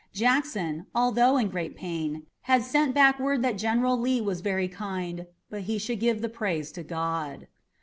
Jackson, although in great pain, had sent back word that General Lee was very kind, "but he should give the praise to God."